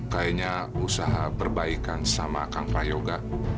kayaknya usaha perbaikan sama kang prayoga